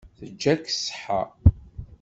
Teǧǧa-k ṣṣeḥḥa.